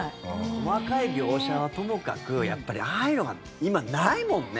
細かい描写はともかくやっぱりああいうのが今、ないもんね。